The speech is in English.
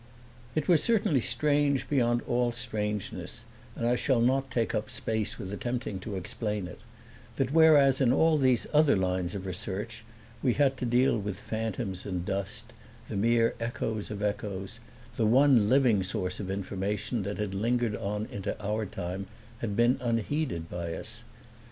It was certainly strange beyond all strangeness, and I shall not take up space with attempting to explain it, that whereas in all these other lines of research we had to deal with phantoms and dust, the mere echoes of echoes, the one living source of information that had lingered on into our time had been unheeded by us.